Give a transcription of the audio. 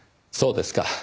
そうですか。